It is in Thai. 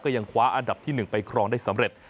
ยังคว้าอันดับที่๑ไปครองได้สำเร็จ